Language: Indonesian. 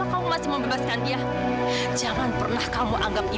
ngapain lo masih ada di sini